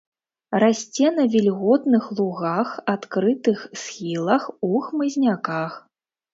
Расце на вільготных лугах, адкрытых схілах, у хмызняках.